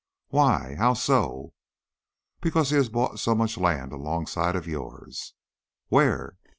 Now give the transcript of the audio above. "Why? How so?" "Because he has bought so much land alongside of yours." "Where?"